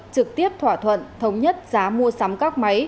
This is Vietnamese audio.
trực tiếp thỏa thuận thống nhất giá mua sắm các máy